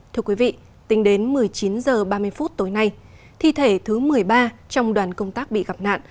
thưa quý vị tính đến một mươi chín h ba mươi phút tối nay thi thể thứ một mươi ba trong đoàn công tác bị gặp nạn